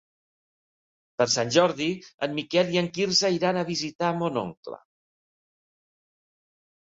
Per Sant Jordi en Miquel i en Quirze iran a visitar mon oncle.